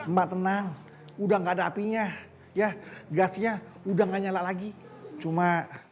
mbak tenang udah nggak ada apinya ya gasnya udah nggak nyala lagi cuma